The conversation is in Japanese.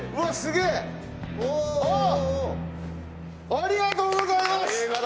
ありがとうございます！